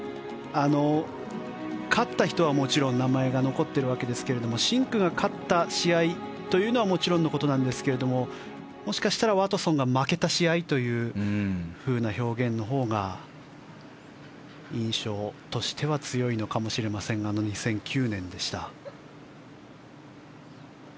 勝った人はもちろん名前が残ってるわけですがシンクが勝った試合というのはもちろんのことですがもしかしたらワトソンが負けた試合という表現のほうが印象としては強いのかもしれませんが２００９年でした。